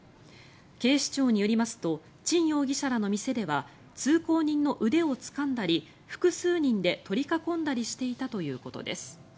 警視庁によりますとチン容疑者らの店では通行人の腕をつかんだり複数人で取り囲んだりしていたということです。